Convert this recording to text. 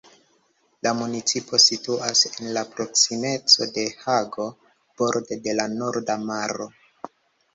La municipo situas en la proksimeco de Hago, borde de la Norda Maro.